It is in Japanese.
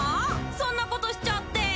そんなことしちゃって？